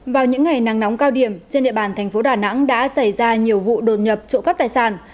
vào những ngày nắng nóng cao điểm trên địa bàn thành phố đà nẵng đã xảy ra nhiều vụ đột nhập trộm cắp tài sản